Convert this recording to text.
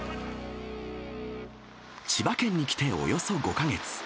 千葉県に来ておよそ５か月。